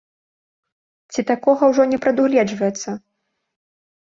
Ці такога ўжо не прадугледжваецца?